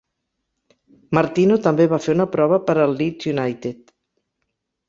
Martino també va fer una prova per al Leeds United.